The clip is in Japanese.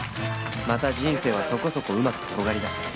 また人生はそこそこうまく転がり出した